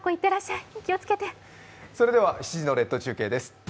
７時の列島中継です。